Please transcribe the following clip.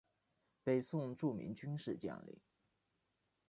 北宋著名军事将领。